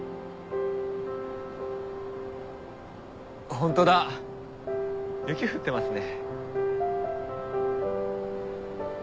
ホントだ雪降ってますね。